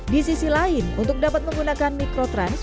di sisi lain untuk dapat menggunakan mikrotrans